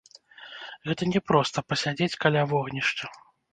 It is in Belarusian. Гэта не проста пасядзець каля вогнішча.